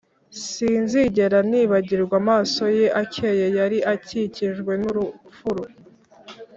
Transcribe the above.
Sinzigera nibagirwa amaso ye akeye yari akikijwe n’urufuro